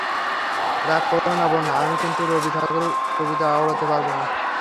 রাগ কোরো না বন্যা, আমি কিন্তু রবি ঠাকুরের কবিতা আওড়াতে পারব না।